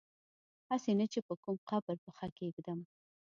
هسي نه چي په کوم قبر پښه کیږدم